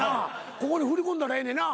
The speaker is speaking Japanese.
ここに振り込んだらええねんな？